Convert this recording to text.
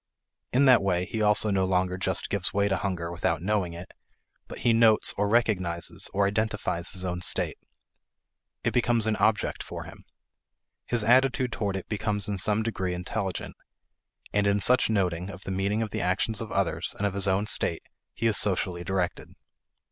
In that way, he also no longer just gives way to hunger without knowing it, but he notes, or recognizes, or identifies his own state. It becomes an object for him. His attitude toward it becomes in some degree intelligent. And in such noting of the meaning of the actions of others and of his own state, he is socially directed.